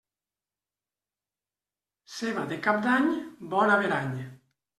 Ceba de cap d'any, bon averany.